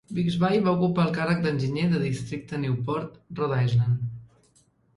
Bixby va ocupar el càrrec d'enginyer de districte a Newport, Rhode Island.